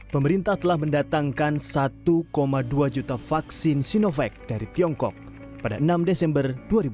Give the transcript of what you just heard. pemerintah telah mendatangkan satu dua juta vaksin sinovac dari tiongkok pada enam desember dua ribu dua puluh